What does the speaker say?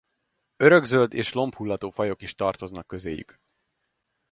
Örökzöld és lombhullató fajok is tartoznak közéjük.